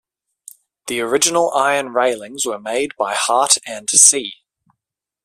The original iron railings were made by Hart and C.